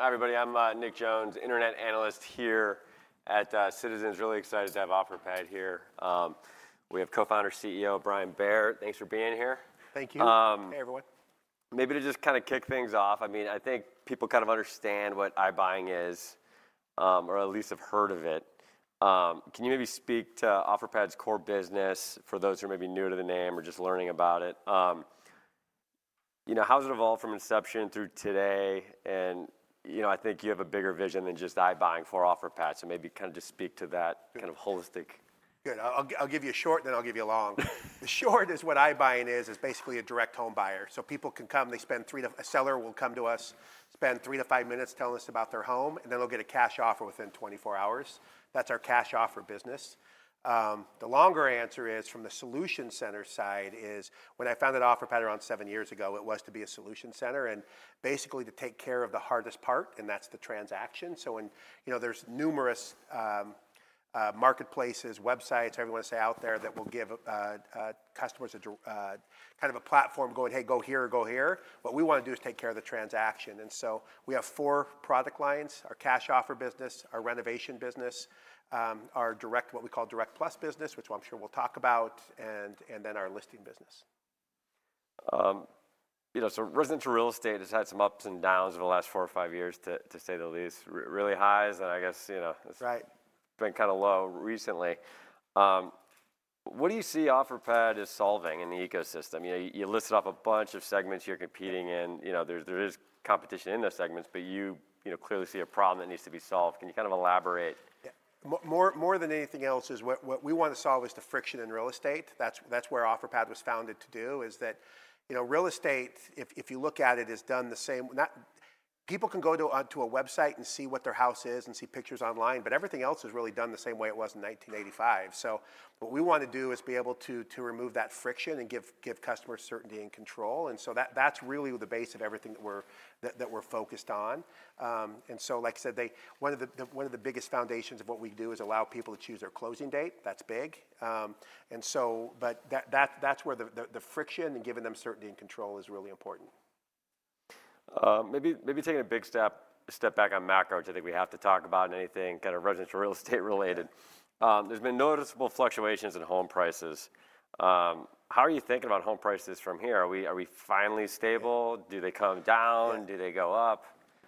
Hi everybody. I'm Nick Jones, Internet Analyst here at Citizens. Really excited to have Offerpad here. We have Co-founder CEO Brian Bair. Thanks for being here. Thank you. Hey everyone. Maybe to just kind of kick things off, I mean, I think people kind of understand what iBuying is or at least have heard of it. Can you maybe speak to Offerpad's core business for those who are maybe new to the name or just learning about it? How's it evolved from inception through today? And I think you have a bigger vision than just iBuying for Offerpad. So maybe kind of just speak to that kind of holistic. Good. I'll give you a short, then I'll give you a long. The short is what iBuying is, is basically a direct home buyer. So people can come, they spend 3 to a seller will come to us, spend 3 to 5 minutes telling us about their home, and then they'll get a cash offer within 24 hours. That's our cash offer business. The longer answer is from the solution center side is when I founded Offerpad around 7 years ago, it was to be a solution center and basically to take care of the hardest part, and that's the transaction. So when there's numerous marketplaces, websites, or everyone wants to say out there that will give customers a kind of a platform going, "Hey, go here, go here." What we want to do is take care of the transaction. We have four product lines: our Cash Offer business, our renovation business, our Direct, what we call Direct Plus business, which I'm sure we'll talk about, and then our listing business. So residential real estate has had some ups and downs over the last four or five years, to say the least. Really highs, and I guess it's been kind of low recently. What do you see Offerpad is solving in the ecosystem? You listed off a bunch of segments you're competing in. There is competition in those segments, but you clearly see a problem that needs to be solved. Can you kind of elaborate? More than anything else, what we want to solve is the friction in real estate. That's where Offerpad was founded to do, is that real estate, if you look at it, is done the same way. People can go to a website and see what their house is and see pictures online, but everything else is really done the same way it was in 1985. So what we want to do is be able to remove that friction and give customers certainty and control. And so that's really the base of everything that we're focused on. And so, like I said, one of the biggest foundations of what we do is allow people to choose their closing date. That's big. But that's where the friction and giving them certainty and control is really important. Maybe taking a big step back on macro, which I think we have to talk about in anything kind of residential real estate related. There's been noticeable fluctuations in home prices. How are you thinking about home prices from here? Are we finally stable? Do they come down? Do they go up?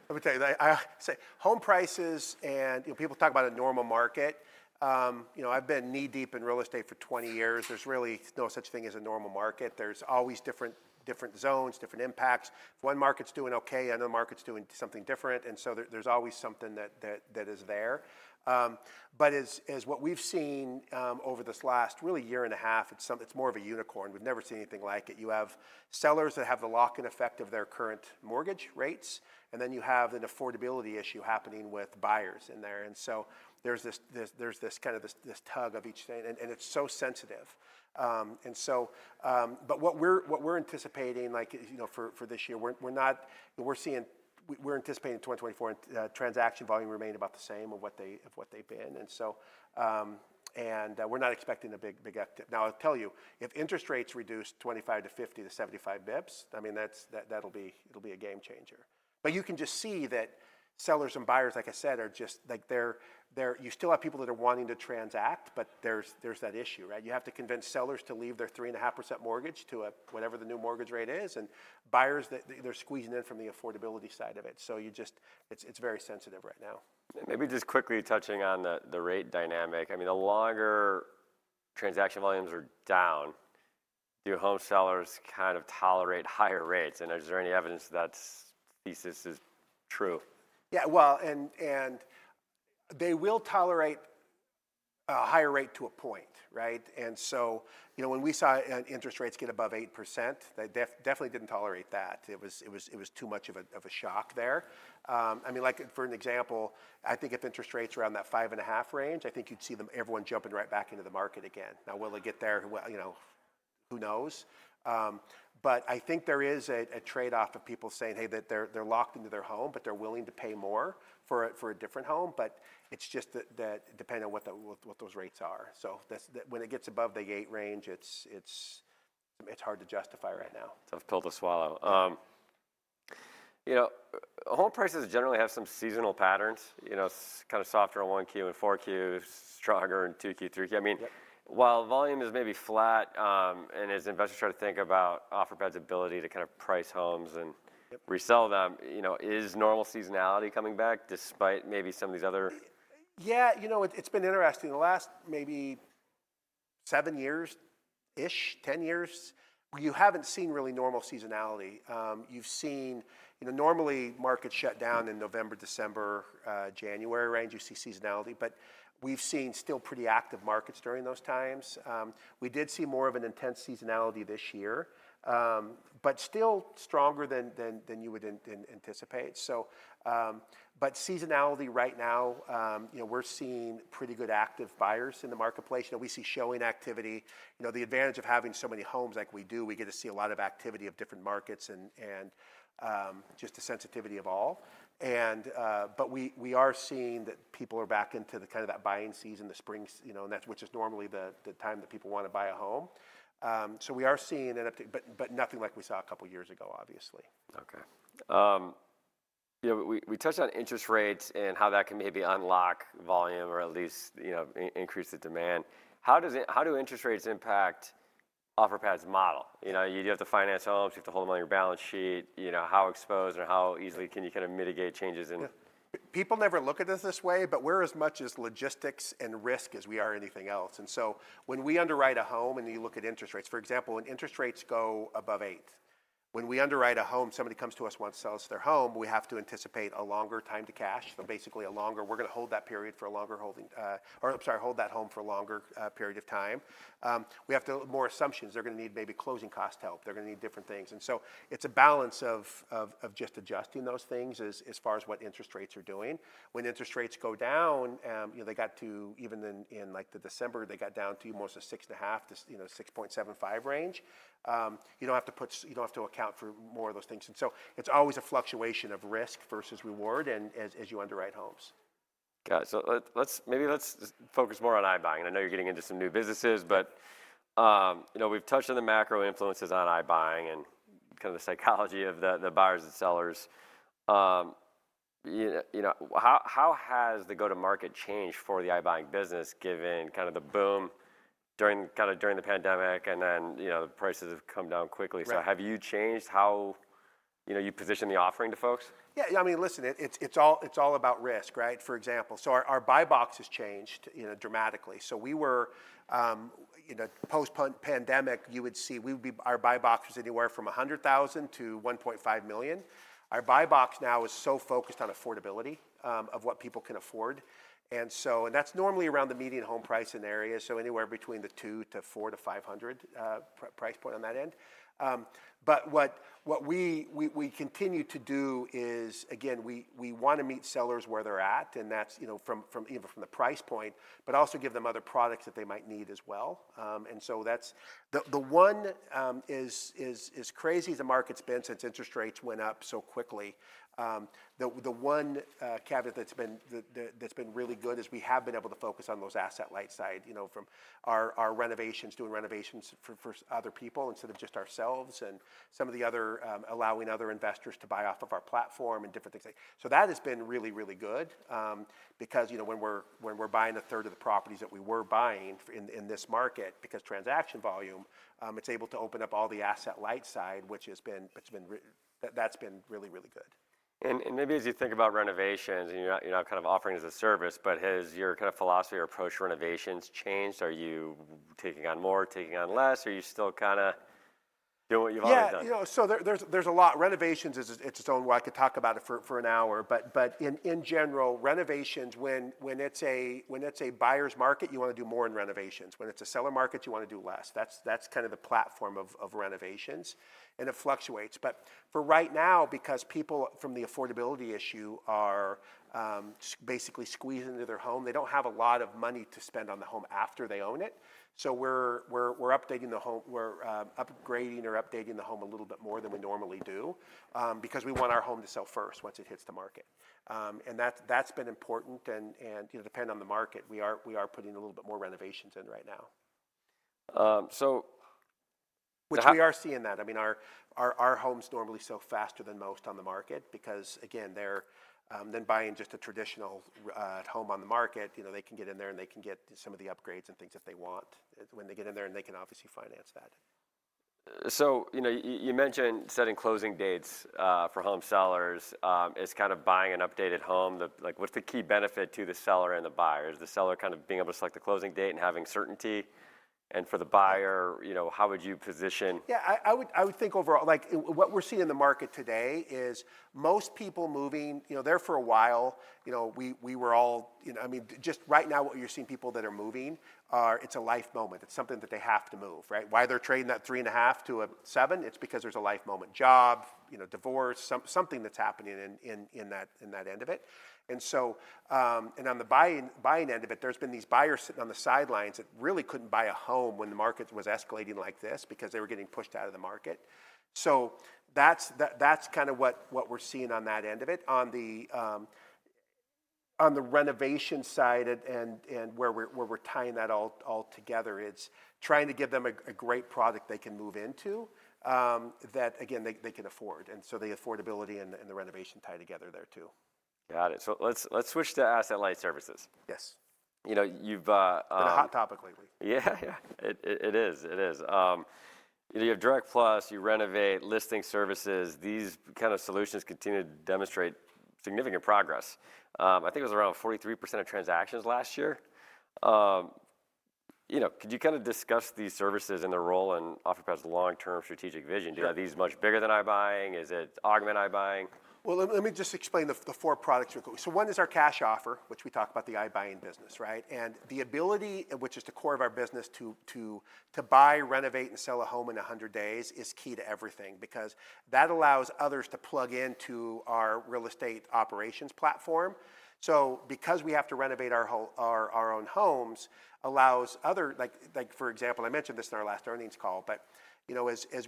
Let me tell you. Home prices and people talk about a normal market. I've been knee-deep in real estate for 20 years. There's really no such thing as a normal market. There's always different zones, different impacts. One market's doing okay, another market's doing something different. And so there's always something that is there. But as what we've seen over this last really year and a half, it's more of a unicorn. We've never seen anything like it. You have sellers that have the lock-in effect of their current mortgage rates, and then you have an affordability issue happening with buyers in there. And so there's this kind of tug of each thing, and it's so sensitive. But what we're anticipating for this year, we're seeing we're anticipating 2024 transaction volume remain about the same of what they've been. And we're not expecting a big uptick. Now, I'll tell you, if interest rates reduce 25 to 50 to 75 bips, I mean, that'll be a game changer. But you can just see that sellers and buyers, like I said, are just you still have people that are wanting to transact, but there's that issue, right? You have to convince sellers to leave their 3.5% mortgage to whatever the new mortgage rate is. And buyers, they're squeezing in from the affordability side of it. So it's very sensitive right now. Maybe just quickly touching on the rate dynamic. I mean, the longer transaction volumes are down, do home sellers kind of tolerate higher rates? And is there any evidence that that thesis is true? Yeah. Well, and they will tolerate a higher rate to a point, right? And so when we saw interest rates get above 8%, they definitely didn't tolerate that. It was too much of a shock there. I mean, for an example, I think if interest rates were around that 5.5 range, I think you'd see everyone jumping right back into the market again. Now, will they get there? Who knows? But I think there is a trade-off of people saying, "Hey, they're locked into their home, but they're willing to pay more for a different home." But it's just depending on what those rates are. So when it gets above the 8 range, it's hard to justify right now. It's a pill to swallow. Home prices generally have some seasonal patterns, kind of softer on 1Q and 4Q, stronger in 2Q, 3Q. I mean, while volume is maybe flat and as investors try to think about Offerpad's ability to kind of price homes and resell them, is normal seasonality coming back despite maybe some of these other? Yeah. It's been interesting. The last maybe 7 years-ish, 10 years, you haven't seen really normal seasonality. You've seen normally markets shut down in November, December, January range. You see seasonality. But we've seen still pretty active markets during those times. We did see more of an intense seasonality this year, but still stronger than you would anticipate. But seasonality right now, we're seeing pretty good active buyers in the marketplace. We see showing activity. The advantage of having so many homes like we do, we get to see a lot of activity of different markets and just the sensitivity of all. But we are seeing that people are back into kind of that buying season, the spring, which is normally the time that people want to buy a home. So we are seeing an uptick, but nothing like we saw a couple of years ago, obviously. Okay. We touched on interest rates and how that can maybe unlock volume or at least increase the demand. How do interest rates impact Offerpad's model? You have to finance homes. You have to hold them on your balance sheet. How exposed and how easily can you kind of mitigate changes in? People never look at this this way, but we're as much as logistics and risk as we are anything else. And so when we underwrite a home and you look at interest rates, for example, when interest rates go above 8%, when we underwrite a home, somebody comes to us, wants to sell us their home, we have to anticipate a longer time to cash. So basically, we're going to hold that home for a longer period of time. I'm sorry. We have to make more assumptions. They're going to need maybe closing cost help. They're going to need different things. And so it's a balance of just adjusting those things as far as what interest rates are doing. When interest rates go down, they got down to, even in December, almost a 6.5%-6.75% range. You don't have to account for more of those things. And so it's always a fluctuation of risk versus reward as you underwrite homes. Got it. So maybe let's focus more on iBuying. And I know you're getting into some new businesses, but we've touched on the macro influences on iBuying and kind of the psychology of the buyers and sellers. How has the go-to-market changed for the iBuying business given kind of the boom kind of during the pandemic and then the prices have come down quickly? So have you changed how you position the offering to folks? Yeah. I mean, listen, it's all about risk, right? For example, so our buy box has changed dramatically. So we were post-pandemic, you would see our buy box was anywhere from $100,000-$1.5 million. Our buy box now is so focused on affordability of what people can afford. And that's normally around the median home price in the area. So anywhere between the $200,000-$400,000-$500,000 price point on that end. But what we continue to do is, again, we want to meet sellers where they're at, and that's even from the price point, but also give them other products that they might need as well. And so the one is crazy as the market's been since interest rates went up so quickly. The one caveat that's been really good is we have been able to focus on those asset light side from our renovations, doing renovations for other people instead of just ourselves and some of the other allowing other investors to buy off of our platform and different things like that. So that has been really, really good because when we're buying a third of the properties that we were buying in this market because transaction volume, it's able to open up all the asset light side, which has been really, really good. And maybe as you think about renovations, and you're not kind of offering as a service, but has your kind of philosophy or approach to renovations changed? Are you taking on more, taking on less, or are you still kind of doing what you've always done? Yeah. So there's a lot. Renovations, it's its own world. I could talk about it for an hour. But in general, renovations, when it's a buyer's market, you want to do more in renovations. When it's a seller market, you want to do less. That's kind of the platform of renovations. And it fluctuates. But for right now, because people from the affordability issue are basically squeezing into their home, they don't have a lot of money to spend on the home after they own it. So we're upgrading or updating the home a little bit more than we normally do because we want our home to sell first once it hits the market. And that's been important. And depending on the market, we are putting a little bit more renovations in right now. So. Which we are seeing, that. I mean, our homes normally sell faster than most on the market because, again, they're then buying just a traditional home on the market. They can get in there and they can get some of the upgrades and things that they want when they get in there, and they can obviously finance that. So you mentioned setting closing dates for home sellers. It's kind of buying an updated home. What's the key benefit to the seller and the buyer? Is the seller kind of being able to select the closing date and having certainty? And for the buyer, how would you position? Yeah. I would think overall, what we're seeing in the market today is most people moving, they're for a while. We were all. I mean, just right now, what you're seeing people that are moving, it's a life moment. It's something that they have to move, right? Why they're trading that 3.5-7, it's because there's a life moment, job, divorce, something that's happening in that end of it. And on the buying end of it, there's been these buyers sitting on the sidelines that really couldn't buy a home when the market was escalating like this because they were getting pushed out of the market. So that's kind of what we're seeing on that end of it. On the renovation side and where we're tying that all together, it's trying to give them a great product they can move into that, again, they can afford. The affordability and the renovation tie together there too. Got it. Let's switch to asset-light services. Yes. You've. Been a hot topic lately. Yeah. Yeah. It is. It is. You have Direct Plus. You renovate. Listing services. These kind of solutions continue to demonstrate significant progress. I think it was around 43% of transactions last year. Could you kind of discuss these services and their role in Offerpad's long-term strategic vision? Do you have these much bigger than iBuying? Is it augment iBuying? Well, let me just explain the four products we're going. So one is our Cash Offer, which we talk about the iBuying business, right? And the ability, which is the core of our business, to buy, renovate, and sell a home in 100 days is key to everything because that allows others to plug into our real estate operations platform. So because we have to renovate our own homes, allows other for example, I mentioned this in our last earnings call, but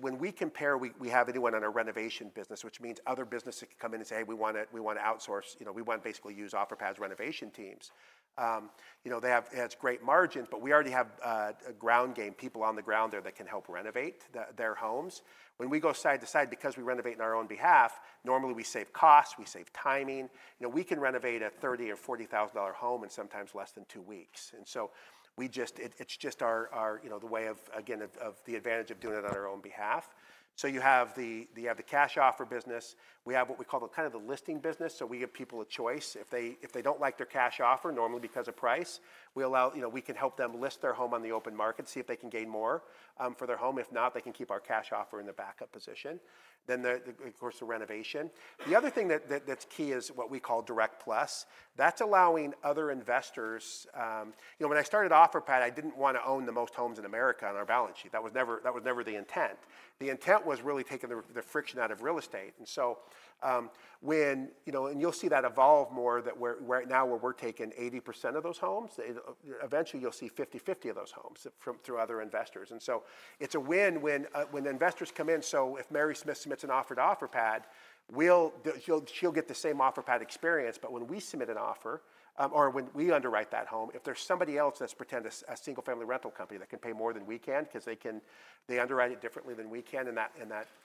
when we compare, we have anyone on our renovation business, which means other businesses can come in and say, "Hey, we want to outsource. We want to basically use Offerpad's renovation teams." They have great margins, but we already have a ground game, people on the ground there that can help renovate their homes. When we go side to side because we renovate on our own behalf, normally we save costs. We save timing. We can renovate a $30,000 or $40,000 home in sometimes less than two weeks. And so it's just the way of, again, of the advantage of doing it on our own behalf. So you have the cash offer business. We have what we call kind of the listing business. So we give people a choice. If they don't like their cash offer, normally because of price, we can help them list their home on the open market, see if they can gain more for their home. If not, they can keep our cash offer in the backup position. Then, of course, the renovation. The other thing that's key is what we call Direct Plus. That's allowing other investors. When I started Offerpad, I didn't want to own the most homes in America on our balance sheet. That was never the intent. The intent was really taking the friction out of real estate. You'll see that evolve more, that now where we're taking 80% of those homes. Eventually, you'll see 50/50 of those homes through other investors. It's a win when investors come in. So if Mary Smith submits an offer to Offerpad, she'll get the same Offerpad experience. But when we submit an offer or when we underwrite that home, if there's somebody else that's, say, a single-family rental company that can pay more than we can because they underwrite it differently than we can,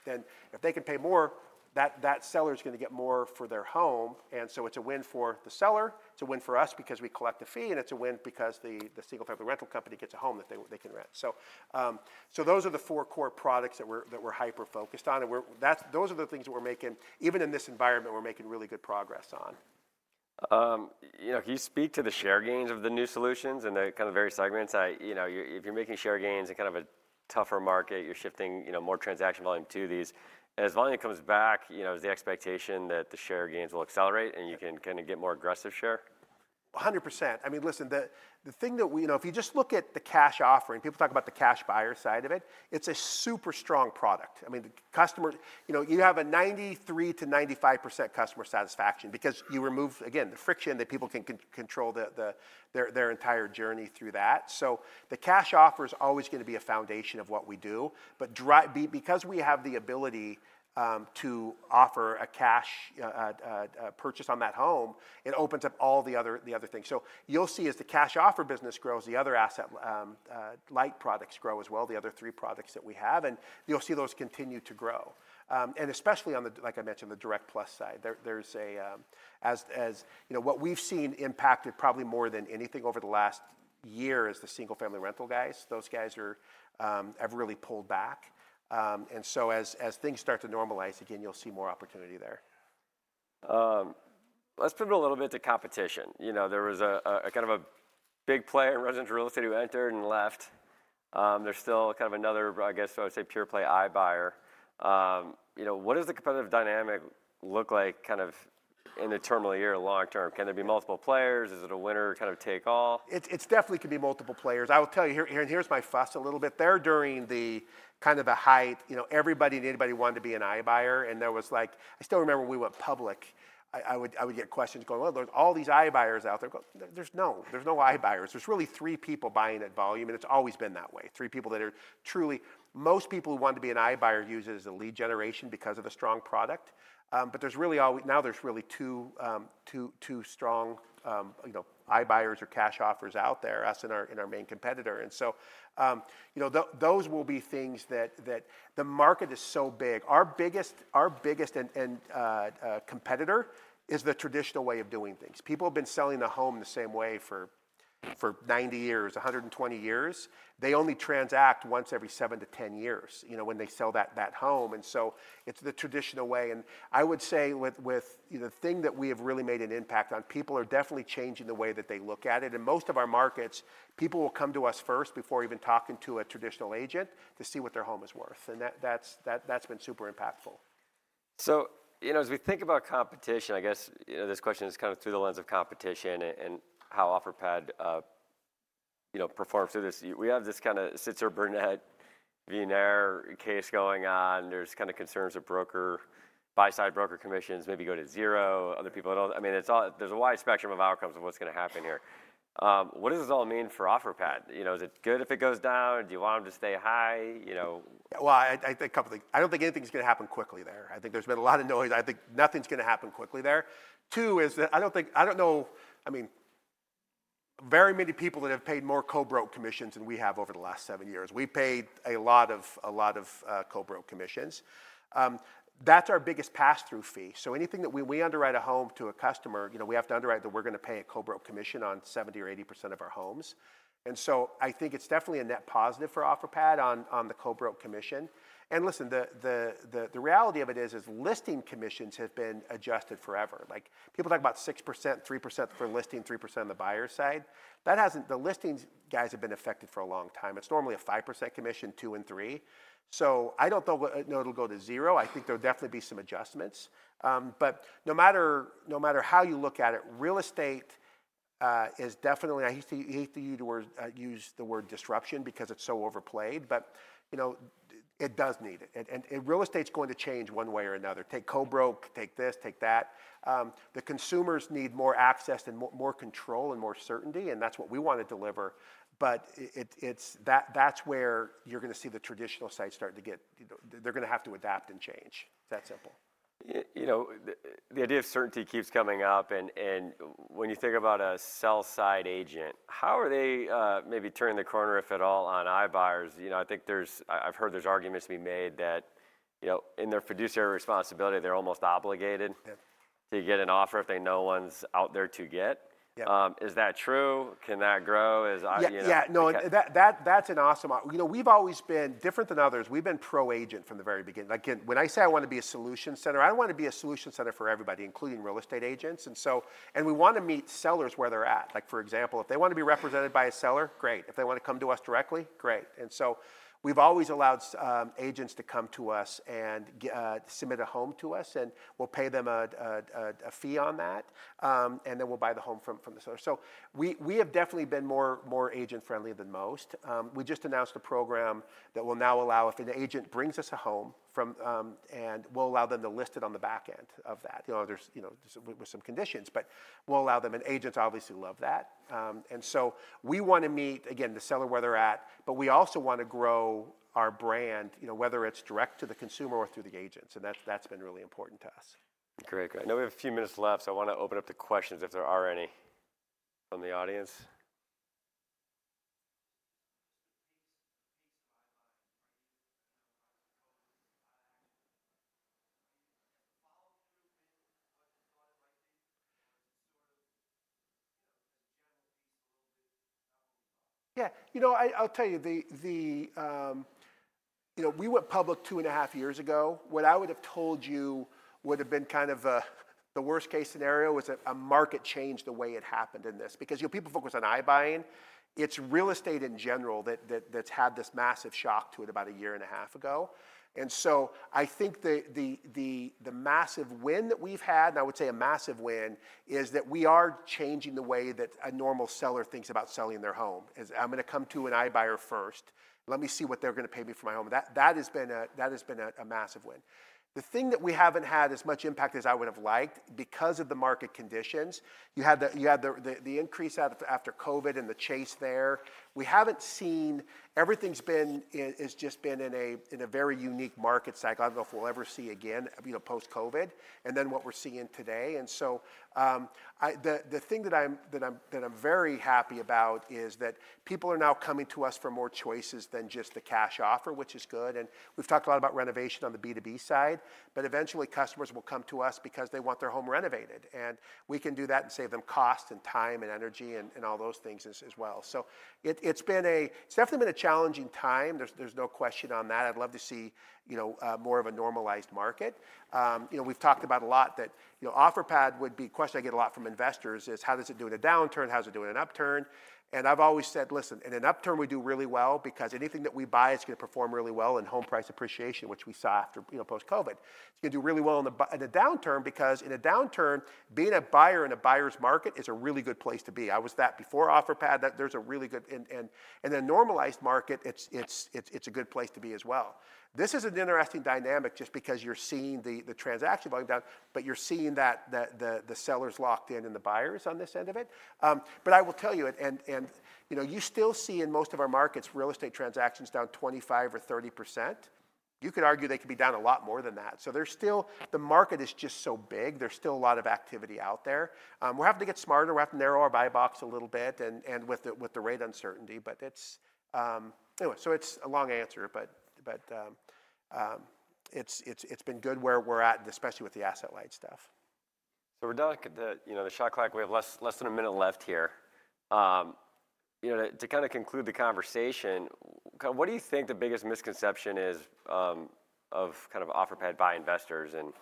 then if they can pay more, that seller is going to get more for their home. It's a win for the seller. It's a win for us because we collect a fee. It's a win because the single-family rental company gets a home that they can rent. Those are the four core products that we're hyper-focused on. Those are the things that we're making, even in this environment, we're making really good progress on. Can you speak to the share gains of the new solutions and the kind of various segments? If you're making share gains in kind of a tougher market, you're shifting more transaction volume to these. As volume comes back, is the expectation that the share gains will accelerate and you can kind of get more aggressive share? 100%. I mean, listen, the thing that we if you just look at the cash offering, people talk about the cash buyer side of it, it's a super strong product. I mean, you have a 93%-95% customer satisfaction because you remove, again, the friction that people can control their entire journey through that. So the cash offer is always going to be a foundation of what we do. But because we have the ability to offer a cash purchase on that home, it opens up all the other things. So you'll see as the cash offer business grows, the other asset light products grow as well, the other three products that we have. And you'll see those continue to grow. And especially on the Direct Plus side, like I mentioned, what we've seen impacted probably more than anything over the last year is the single-family rental guys. Those guys have really pulled back. And so as things start to normalize, again, you'll see more opportunity there. Let's pivot a little bit to competition. There was a kind of a big player in residential real estate who entered and left. There's still kind of another, I guess, I would say, pure-play iBuyer. What does the competitive dynamic look like kind of in a terminal year long-term? Can there be multiple players? Is it a winner kind of take-all? It definitely could be multiple players. I will tell you, here's my take a little bit. There, during kind of the height. Everybody and anybody wanted to be an iBuyer. I still remember when we went public, I would get questions going, "Well, there's all these iBuyers out there." There's no iBuyers. There's really 3 people buying at volume. It's always been that way, 3 people that are truly most people who want to be an iBuyer use it as a lead generation because of a strong product. But now there's really 2 strong iBuyers or cash offers out there, us and our main competitor. So those will be things that the market is so big. Our biggest competitor is the traditional way of doing things. People have been selling the home the same way for 90 years, 120 years. They only transact once every 7-10 years when they sell that home. And so it's the traditional way. And I would say with the thing that we have really made an impact on, people are definitely changing the way that they look at it. In most of our markets, people will come to us first before even talking to a traditional agent to see what their home is worth. And that's been super impactful. So as we think about competition, I guess this question is kind of through the lens of competition and how Offerpad performs through this. We have this kind of Sitzer-Burnett case going on. There's kind of concerns of buy-side broker commissions maybe go to zero. Other people don't. I mean, there's a wide spectrum of outcomes of what's going to happen here. What does this all mean for Offerpad? Is it good if it goes down? Do you want them to stay high? Well, I think a couple of things. I don't think anything's going to happen quickly there. I think there's been a lot of noise. I think nothing's going to happen quickly there. Two is that I don't know very many people that have paid more co-broke commissions than we have over the last seven years. We paid a lot of co-broke commissions. That's our biggest pass-through fee. So anything that when we underwrite a home to a customer, we have to underwrite that we're going to pay a co-broke commission on 70%-80% of our homes. And so I think it's definitely a net positive for Offerpad on the co-broke commission. And listen, the reality of it is listing commissions have been adjusted forever. People talk about 6%, 3% for listing, 3% on the buyer side. The listings guys have been affected for a long time. It's normally a 5% commission, 2%, and 3%. So I don't know it'll go to zero. I think there'll definitely be some adjustments. But no matter how you look at it, real estate is definitely. I hate to use the word disruption because it's so overplayed, but it does need it. And real estate's going to change one way or another. Take co-broke. Take this. Take that. The consumers need more access and more control and more certainty. And that's what we want to deliver. But that's where you're going to see the traditional sites starting to get. They're going to have to adapt and change. It's that simple. The idea of certainty keeps coming up. When you think about a sell-side agent, how are they maybe turning the corner, if at all, on iBuyers? I think I've heard there's arguments to be made that in their fiduciary responsibility, they're almost obligated to get an offer if they know one's out there to get. Is that true? Can that grow? Yeah. No. That's awesome. We've always been different than others. We've been pro-agent from the very beginning. Again, when I say I want to be a solution center, I don't want to be a solution center for everybody, including real estate agents. And we want to meet sellers where they're at. For example, if they want to be represented by an agent, great. If they want to come to us directly, great. And so we've always allowed agents to come to us and submit a home to us. And we'll pay them a fee on that. And then we'll buy the home from the seller. So we have definitely been more agent-friendly than most. We just announced a program that will now allow if an agent brings us a home, and we'll allow them to list it on the backend of that with some conditions. But we'll allow them. And agents obviously love that. And so we want to meet, again, the seller where they're at. But we also want to grow our brand, whether it's direct to the consumer or through the agents. And that's been really important to us. Great. Great. I know we have a few minutes left. I want to open up to questions if there are any from the audience. Just the pace of iBuying, are you not as opposed to the action? Has the follow-through been what you thought it might be? Or is it sort of as a general piece, a little bit not what we thought? Yeah. I'll tell you, we went public 2.5 years ago. What I would have told you would have been kind of the worst-case scenario was that a market changed the way it happened in this because people focus on iBuying. It's real estate in general that's had this massive shock to it about 1.5 years ago. And so I think the massive win that we've had, and I would say a massive win, is that we are changing the way that a normal seller thinks about selling their home. I'm going to come to an iBuyer first. Let me see what they're going to pay me for my home. That has been a massive win. The thing that we haven't had as much impact as I would have liked because of the market conditions, you had the increase after COVID and the chase there. We haven't seen everything's just been in a very unique market cycle. I don't know if we'll ever see again post-COVID and then what we're seeing today. And so the thing that I'm very happy about is that people are now coming to us for more choices than just the cash offer, which is good. And we've talked a lot about renovation on the B2B side. But eventually, customers will come to us because they want their home renovated. And we can do that and save them cost and time and energy and all those things as well. So it's definitely been a challenging time. There's no question on that. I'd love to see more of a normalized market. We've talked about a lot that Offerpad would be a question I get a lot from investors is, how does it do in a downturn? How's it do in an upturn? And I've always said, listen, in an upturn, we do really well because anything that we buy is going to perform really well in home price appreciation, which we saw post-COVID. It's going to do really well in a downturn because in a downturn, being a buyer in a buyer's market is a really good place to be. I was that before Offerpad. There's a really good and in a normalized market, it's a good place to be as well. This is an interesting dynamic just because you're seeing the transaction volume down, but you're seeing that the sellers locked in and the buyers on this end of it. But I will tell you, and you still see in most of our markets, real estate transactions down 25% or 30%. You could argue they could be down a lot more than that. So the market is just so big. There's still a lot of activity out there. We're having to get smarter. We're having to narrow our buy box a little bit and with the rate uncertainty. But anyway, so it's a long answer. But it's been good where we're at, especially with the asset light stuff. So we're done with the shot clock. We have less than a minute left here. To kind of conclude the conversation, what do you think the biggest misconception is of kind of Offerpad by investors? And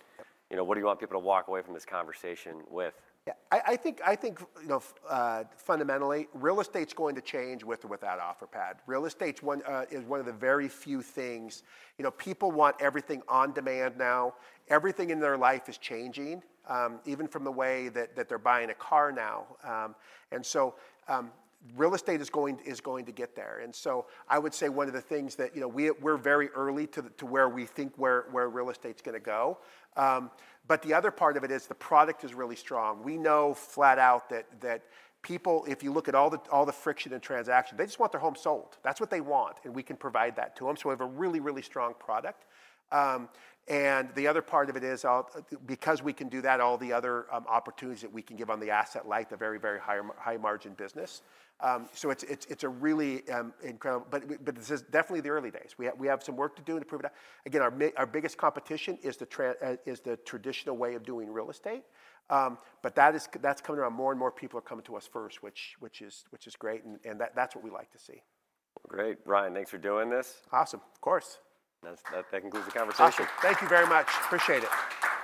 what do you want people to walk away from this conversation with? Yeah. I think fundamentally, real estate's going to change with or without Offerpad. Real estate is one of the very few things. People want everything on demand now. Everything in their life is changing, even from the way that they're buying a car now. And so real estate is going to get there. And so I would say one of the things that we're very early to where we think where real estate's going to go. But the other part of it is the product is really strong. We know flat out that people, if you look at all the friction and transaction, they just want their home sold. That's what they want. And we can provide that to them. So we have a really, really strong product. And the other part of it is because we can do that, all the other opportunities that we can give on the asset light, the very, very high-margin business. So it's a really incredible, but this is definitely the early days. We have some work to do and to prove it out. Again, our biggest competition is the traditional way of doing real estate. But that's coming around. More and more people are coming to us first, which is great. And that's what we like to see. Great. Brian, thanks for doing this. Awesome. Of course. That concludes the conversation. Awesome. Thank you very much. Appreciate it.